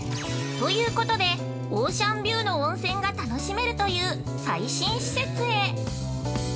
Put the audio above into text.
◆ということでオーシャンビューの温泉が楽しめるという最新施設へ。